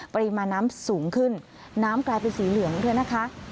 ปริมาณน้ำสูงขึ้นน้ำกลายเป็นสีเหลืองด้วยนะคะ